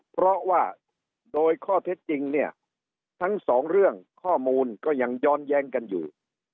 เพราะว่าโดยข้อเท็จจริงเนี่ยทั้งสองเรื่องข้อมูลก็ยังย้อนแย้งกันอยู่